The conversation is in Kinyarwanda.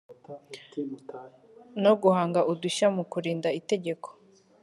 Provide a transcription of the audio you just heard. no guhanga udushya mu kurinda itegeko